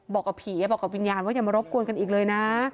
บอกกับผีอย่าบอกกับวิญญาณว่าอย่ามารบกวนกันอีกเลยนะ